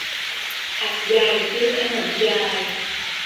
อัฐยายซื้อขนมยาย